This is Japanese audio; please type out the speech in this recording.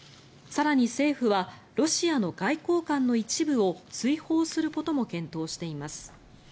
更に政府はロシアの外交官の一部を追放することも検討しています。